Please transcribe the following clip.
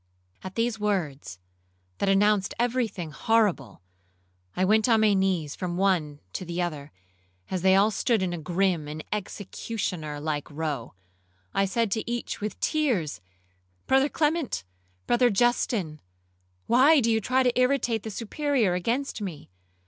At these words, that announced every thing horrible, I went on my knees from one to the other, as they all stood in a grim and executioner like row. I said to each with tears, 'Brother Clement,—Brother Justin,—why do you try to irritate the Superior against me?